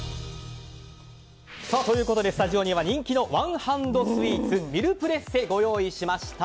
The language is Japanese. スタジオには人気のワンハンドスイーツミルプレッセをご用意しました。